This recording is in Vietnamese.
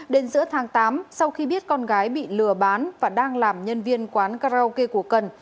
đến giữa tháng tám sau khi biết con gái bị lừa bán và đang làm nhân viên quán karaoke của cần